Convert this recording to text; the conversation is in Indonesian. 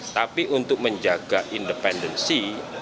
tapi untuk menjaga independensi